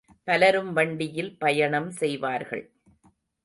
பலரும் வண்டியில் பயணம் செய்வார்கள்.